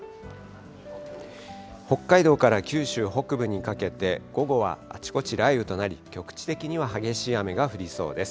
北海道から九州北部にかけて、午後はあちこち、雷雨となり、局地的には激しい雨が降りそうです。